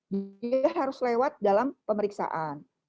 dia harus lewat dalam pemeriksaan